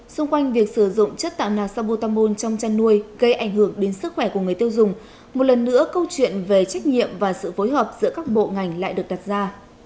xung quanh việc sử dụng chất tạo na sabotamol trong chăn nuôi gây ảnh hưởng đến sức khỏe của người tiêu dùng một lần nữa câu chuyện về trách nhiệm và sự phối hợp giữa các bộ ngành lại được đặt ra